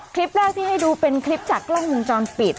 คลิปแรกที่ให้ดูเป็นคลิปจากกล้องวงจรปิด